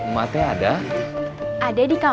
maksudnya ini dulu